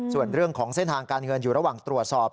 ส่วนเรื่องของเส้นทางการเงินอยู่ระหว่างตรวจสอบ